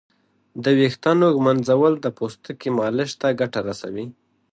د ویښتانو ږمنځول د پوستکي مالش ته ګټه رسوي.